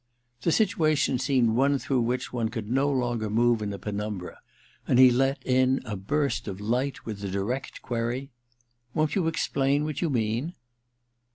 The situation seemed one through which one could no longer move in a penumbra, and he let in a burst of light with the direct query :* Won't you explain what you mean